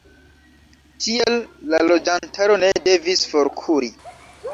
Tiel la loĝantaro ne devis forkuri.